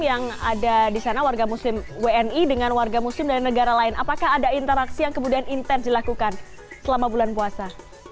yang ada di sana warga muslim wni dengan warga muslim dari negara lain apakah ada interaksi yang kemudian intens dilakukan selama bulan puasa